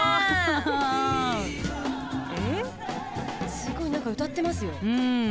すごい何か歌ってますよ。